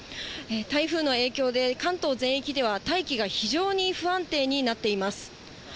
台風の影響で関東全域では大気が非常に不安定になっています。